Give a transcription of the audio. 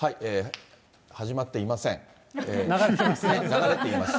始まっていません。